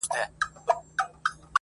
نه مخ گوري د نړۍ د پاچاهانو.!